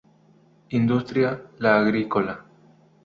Industria la agrícola.